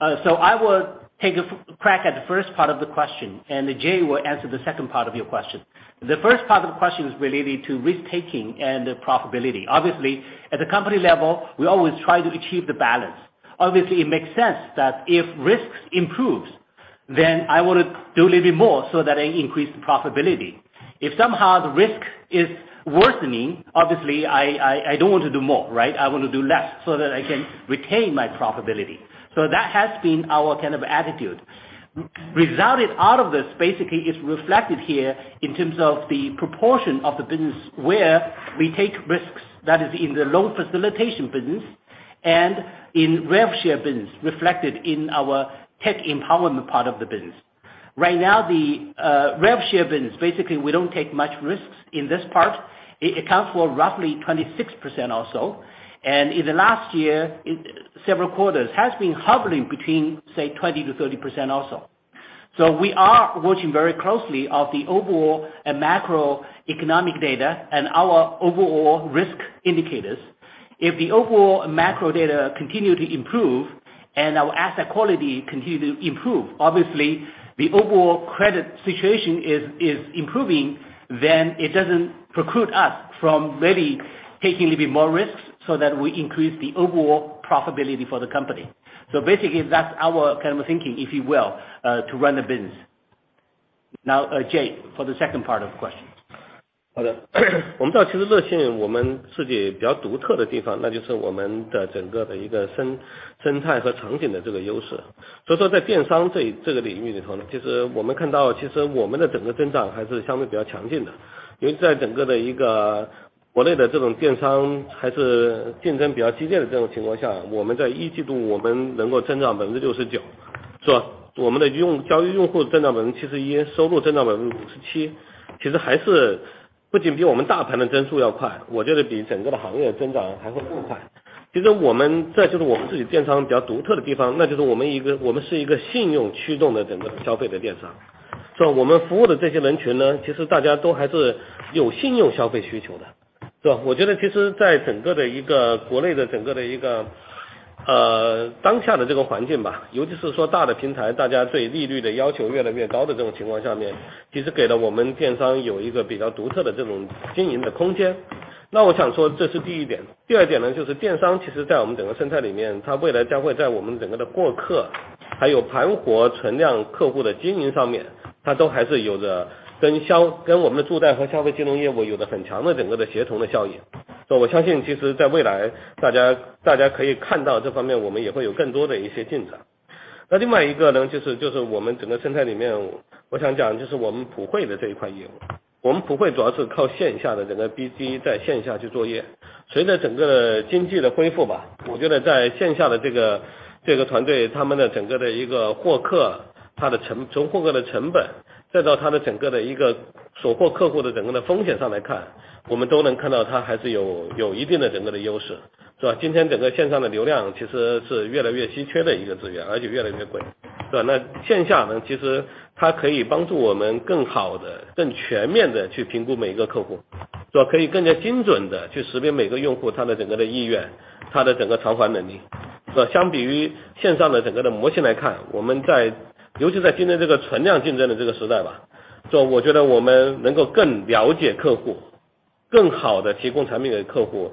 I will take a crack at the first part of the question, and Jay will answer the second part of your question. The first part of the question is related to risk taking and profitability. Obviously, at the company level, we always try to achieve the balance. Obviously, it makes sense that if risks improves, then I wanna do a little bit more so that I increase the profitability. If somehow the risk is worsening, obviously, I don't want to do more, right? I wanna do less so that I can retain my profitability. That has been our kind of attitude. Resulted out of this basically is reflected here in terms of the proportion of the business where we take risks that is in the loan facilitation business and in rev share business, reflected in our tech empowerment part of the business. Right now, the rev share business, basically, we don't take much risks in this part. It accounts for roughly 26% or so. In the last year, it, several quarters, has been hovering between, say, 20%-30% also. We are watching very closely of the overall macroeconomic data and our overall risk indicators. If the overall macro data continue to improve and our asset quality continue to improve, obviously the overall credit situation is improving, then it doesn't preclude us from maybe taking a little bit more risks so that we increase the overall profitability for the company. Basically, that's our kind of thinking, if you will, to run the business. Now, Jay, for the second part of the question. 好的我们知道其实乐信我们自己比较独特的地 方， 那就是我们的整个的一个生-生态和场景的这个优势。所以说在电商这-这个领域里头 呢， 其实我们看 到， 其实我们的整个增长还是相对比较强劲的。由于在整个的一个国内的这种电商还是竞争比较激烈的这种情况 下， 我们在一季度我们能够增长百分之六十 九， 是 吧， 我们的用--交易用户增长百分之七十 一， 收入增长百分之五十 七， 其实还是不仅比我们大盘的增速要 快， 我觉得比整个的行业增长还会更快。其实我 们， 这就是我们自己电商比较独特的地 方， 那就是我们一 个， 我们是一个信用驱动的整个的消费的电 商， 是 吧， 我们服务的这些人群 呢， 其实大家都还是有信用消费需求 的， 是吧。我觉得其实在整个的一 个， 国内的整个的一 个， 呃， 当下的这个环境 吧， 尤其是说大的平 台， 大家对利率的要求越来越高的这种情况下 面， 其实给了我们电商有一个比较独特的这种经营的空间。那我想说这是第一点。第二点 呢， 就是电商其实在我们整个生态里 面， 它未来将会在我们整个的获 客， 还有盘活存量客户的经营上 面， 它都还是有着跟消--跟我们的助贷和消费金融业务有着很强的整个的协同的效应。所以我相信其实在未来大 家， 大家可以看到这方面我们也会有更多的一些进展。那另外一个 呢， 就 是， 就是我们整个生态里 面， 我想讲就是我们普惠的这一块业务。我们普惠主要是靠线下的整个 BT 在线下去作业。随着整个经济的恢复 吧， 我觉得在线下的这 个， 这个团 队， 他们的整个的一个获 客， 它的成--从获客的成本，再到它的整个的一个所获客户的整个的风险上来 看， 我们都能看到它还是 有， 有一定的整个的优 势， 是吧。今天整个线上的流量其实是越来越稀缺的一个资 源， 而且越来越 贵， 是吧。那线下 呢， 其实它可以帮助我们更好地、更全面地去评估每一个客 户， 是 吧， 可以更加精准地去识别每个用户他的整个的意 愿， 他的整个偿还能 力， 是吧。相比于线上的整个的模型来 看， 我们在，尤其在今天这个存量竞争的这个时代 吧， 所以我觉得我们能够更了解客 户， 更好地提供产品给客 户，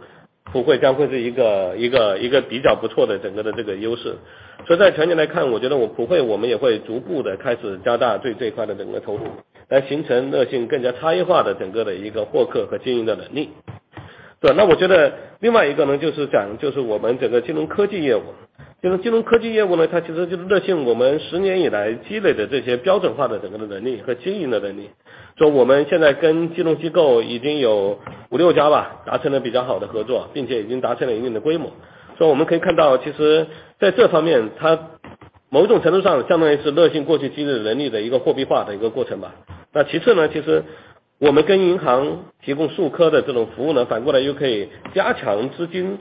普惠将会是一 个， 一 个， 一个比较不错的整个的这个优势。所以在全年来 看， 我觉得我普惠我们也会逐步地开始加大对这一块的整个投 入， 来形成乐信更加差异化的整个的一个获客和经营的能力。是 吧， 那我觉得另外一个 呢， 就是 讲， 就是我们整个金融科技业务。这个金融科技业务 呢， 它其实就是乐信我们十年以来积累的这些标准化的整个的能力和经营的能力。所以我们现在跟金融机构已经有五六家 吧， 达成了比较好的合 作， 并且已经达成了一定的规模。所以我们可以看 到， 其实在这方 面， 它某种程度上相当于是乐信过去积累的能力的一个货币化的一个过程吧。那其次 呢， 其实我们跟银行提供数科的这种服务 呢， 反过来又可以加强资 金，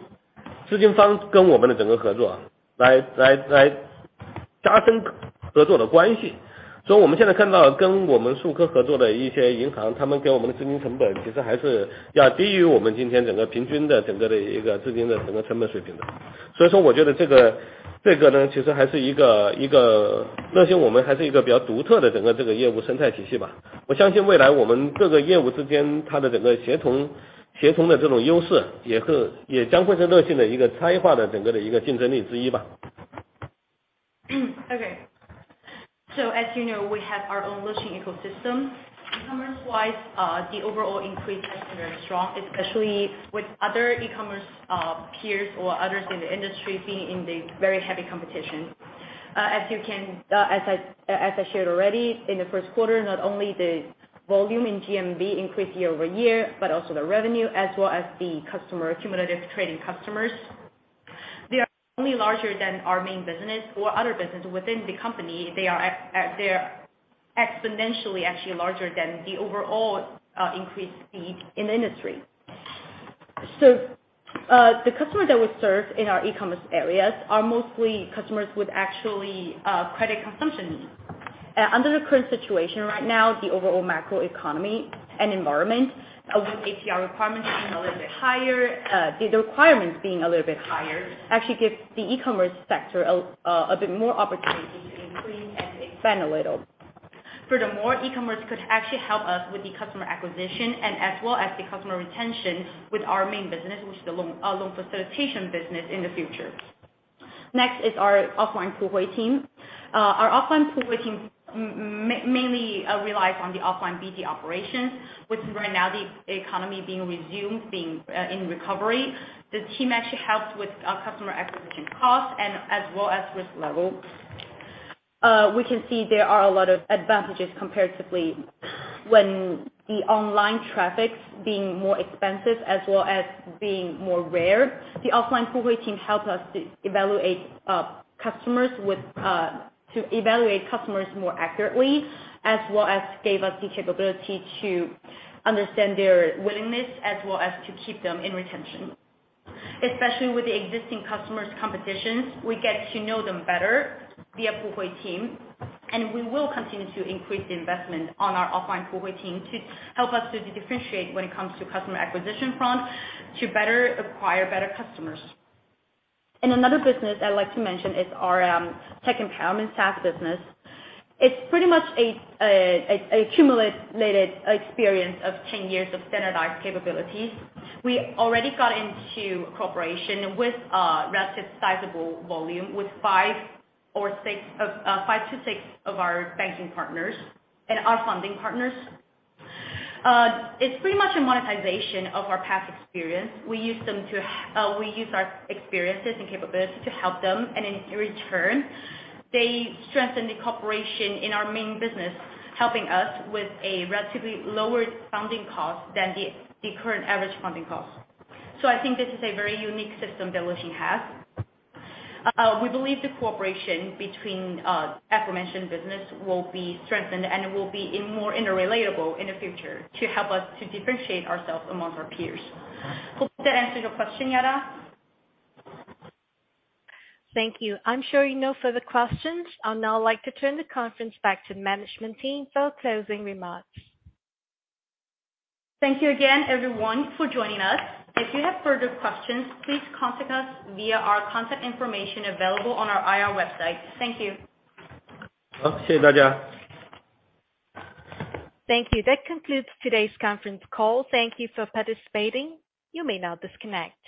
资金方跟我们的整个合 作， 来， 来， 来加深合作的关系。所以我们现在看到跟我们数科合作的一些银 行， 他们给我们的资金成本其实还是要低于我们今天整个平均的整个的一个资金的整个成本水平的。所以说我觉得这个，这个 呢， 其实还是一 个， 一 个， 乐信我们还是一个比较独特的整个这个业务生态体系吧。我相信未来我们各个业务之 间， 它的整个协 同， 协同的这种优势也 会， 也将会是乐信的一个差异化的整个的一个竞争力之一吧。Okay. As you know we have our own Lexin ecosystem. E-commerce wise, the overall increase has been very strong, especially with other e-commerce peers or others in the industry being in the very heavy competition. As you can, as I shared already, in the first quarter, not only the volume in GMV increased year-over-year, but also the revenue as well as the customer, cumulative trading customers. They are only larger than our main business or other business within the company. They are, they are exponentially actually larger than the overall increase speed in the industry. The customer that we serve in our e-commerce areas are mostly customers with actually credit consumption needs. Under the current situation right now, the overall macro economy and environment, with ATR requirements being a little bit higher, the requirements being a little bit higher, actually gives the e-commerce sector a bit more opportunity to increase and expand a little. Furthermore, e-commerce could actually help us with the customer acquisition and as well as the customer retention with our main business, which is the loan facilitation business in the future. Next is our offline Puhui team. Our offline Puhui team mainly relies on the offline BT operations, which right now the economy being resumed, being, in recovery. The team actually helps with our customer acquisition cost and as well as risk level. We can see there are a lot of advantages comparatively when the online traffic's being more expensive as well as being more rare. The offline Puhui team help us to evaluate customers more accurately, as well as give us the capability to understand their willingness, as well as to keep them in retention. Especially with the existing customers' competitions, we get to know them better via Puhui team. We will continue to increase the investment on our offline Puhui team to help us to differentiate when it comes to customer acquisition front to better acquire better customers. Another business I'd like to mention is our tech empowerment SaaS business. It's pretty much a cumulated experience of 10 years of standardized capabilities. We already got into a cooperation with a relative sizable volume with five or six, five to six of our banking partners and our funding partners. It's pretty much a monetization of our past experience. We use them to, we use our experiences and capabilities to help them, and in return, they strengthen the cooperation in our main business, helping us with a relatively lower funding cost than the current average funding cost. I think this is a very unique system that Lexin has. We believe the cooperation between aforementioned business will be strengthened, and it will be even more interrelatable in the future to help us to differentiate ourselves among our peers. Hope that answers your question, Yara. Thank you. I'm showing no further questions. I'll now like to turn the conference back to management team for closing remarks. Thank you again everyone for joining us. If you have further questions, please contact us via our contact information available on our IR website. Thank you. 好， 谢谢大家。Thank you. That concludes today's conference call. Thank you for participating. You may now disconnect.